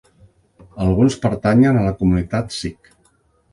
Alguns pertanyen la comunitat sikh.